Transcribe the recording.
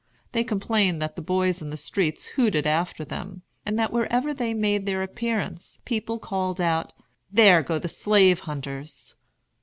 They complained that the boys in the streets hooted after them, and that wherever they made their appearance, people called out, "There go the slave hunters!"